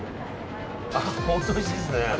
本当においしいですね。